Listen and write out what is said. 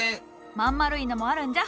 真ん丸いのもあるんじゃ。